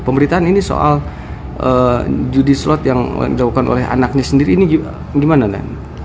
pemberitaan ini soal judi slot yang dilakukan oleh anaknya sendiri ini gimana kan